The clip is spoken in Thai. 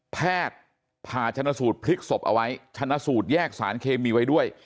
แพทย์ผ่าชนสูตรพลิกศพเอาไว้ชนะสูตรแยกสารเคมีไว้ด้วย